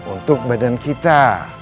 untuk badan kita